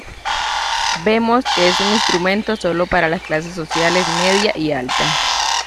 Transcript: Vemos que es un instrumento solo para las clases sociales media y alta.